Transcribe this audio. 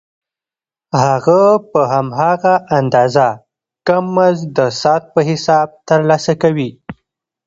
هغه په هماغه اندازه کم مزد د ساعت په حساب ترلاسه کوي